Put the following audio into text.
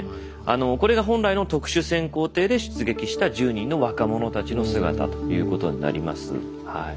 これが本来の特殊潜航艇で出撃した１０人の若者たちの姿ということになりますはい。